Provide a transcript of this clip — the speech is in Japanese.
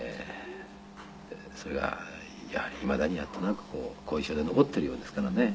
それがやはりいまだになんとなく後遺症で残ってるようですからね。